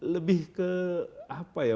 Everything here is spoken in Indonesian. lebih ke apa ya